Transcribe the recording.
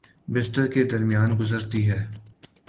بستر کے درمیان گزرتی ہے